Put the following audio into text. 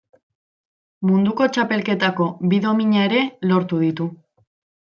Munduko Txapelketako bi domina ere lortu ditu.